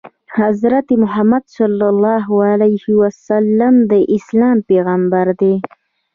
حضرت محمد ﷺ د اسلام پیغمبر دی.